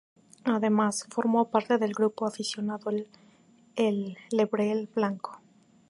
Además, formó parte del grupo aficionado El Lebrel Blanco.